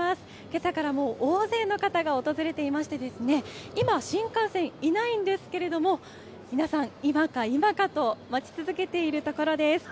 けさからもう大勢の方が訪れていまして、今、新幹線いないんですけれども、皆さん、今か今かと待ち続けているところです。